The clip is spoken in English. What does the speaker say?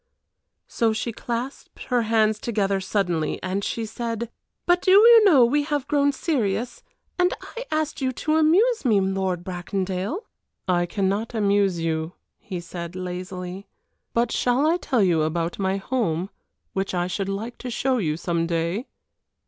So she clasped her hands together suddenly, and she said: "But do you know we have grown serious, and I asked you to amuse me, Lord Bracondale!" "I cannot amuse you," he said, lazily, "but shall I tell you about my home, which I should like to show you some day?"